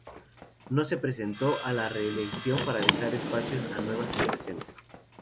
No se presentó a la reelección para dejar espacio a nuevas generaciones.